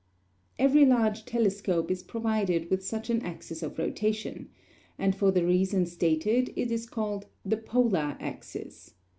Every large telescope is provided with such an axis of rotation; and for the reason stated it is called the "polar axis."